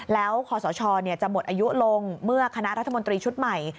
แล้วคศจะหมดอายุลงเมื่อคณะรัฐมนตรีชุดใหม่